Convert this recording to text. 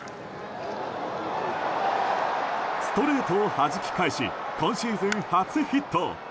ストレートをはじき返し今シーズン初ヒット。